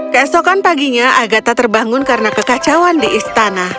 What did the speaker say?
keesokan paginya agatha terbangun karena kekacauan di istana